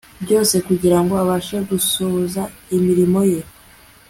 byose kugira ngo abashe gusohoza imirimo ye